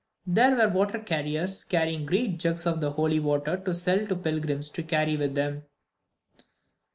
There were water carriers, carrying great jugs of the "holy water" to sell to pilgrims to carry with them.